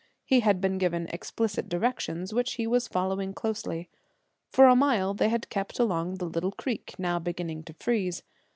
He had been given explicit directions, which he was following closely. For a mile they had kept along the little creek, now beginning to freeze.